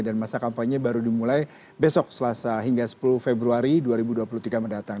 dan masa kampanye baru dimulai besok selasa hingga sepuluh februari dua ribu dua puluh tiga mendatang